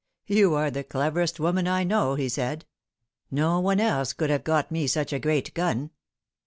'You are the cleverest woman I know,' he said. ' No one else could have got me such a great gun.'